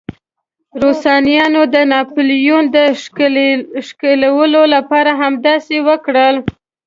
روسانو د ناپلیون د ښکېلولو لپاره همداسې وکړل.